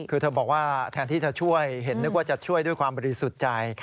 คือเธอบอกว่าแทนที่จะช่วยเห็นนึกว่าจะช่วยด้วยความบริสุทธิ์ใจ